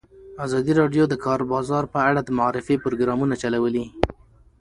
ازادي راډیو د د کار بازار په اړه د معارفې پروګرامونه چلولي.